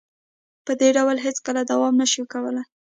په دې ډول هیڅکله دوام نشي کولې